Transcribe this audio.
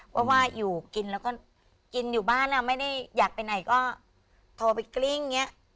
เพราะว่าอยู่กินแล้วก็กินอยู่บ้านไม่ได้อยากไปไหนก็โทรไปกลิ้งอย่างนี้